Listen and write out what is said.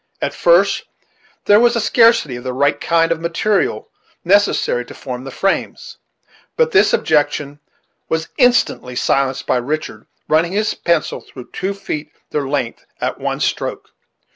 At first there was a scarcity in the right kind of material necessary to form the frames; but this objection was instantly silenced by Richard running his pencil through two feet of their length at one stroke.